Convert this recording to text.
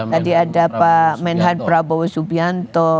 tadi ada pak menhan prabowo subianto